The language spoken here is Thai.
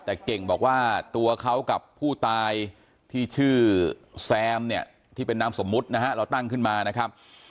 แต่เก่งบอกว่าตัวเขากับผู้ตายที่ชื่อแซมเนี่ยที่เป็นนามสมมุตินะฮะเราตั้งขึ้นมานะครับ